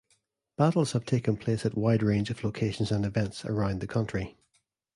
Battles have taken place at wide range of locations and events around the country.